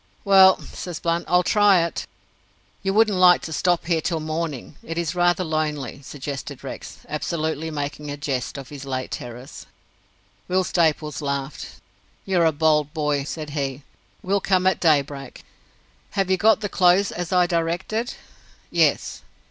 "Well," says Blunt, "I'll try it." "You wouldn't like to stop here till morning? It is rather lonely," suggested Rex, absolutely making a jest of his late terrors. Will Staples laughed. "You're a bold boy!" said he. "We'll come at daybreak." "Have you got the clothes as I directed?" "Yes."